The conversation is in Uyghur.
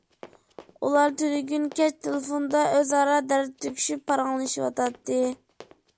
ئۇلار تۈنۈگۈن كەچ تېلېفوندا ئۆزئارا دەرد تۆكۈشۈپ پاراڭلىشىۋاتاتتى.